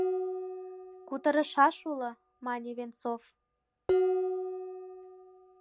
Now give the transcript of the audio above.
Кутырышаш уло, — мане Венцов.